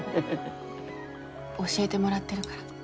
教えてもらってるから。